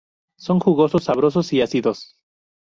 Son jugosos, sabrosos y ácidos.